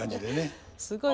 すごい。